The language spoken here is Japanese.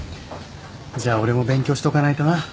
じゃあ俺も勉強しとかないとな。